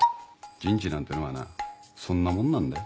人事なんてのはなそんなもんなんだよ。